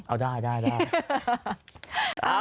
เอาด้ายด้ายครับ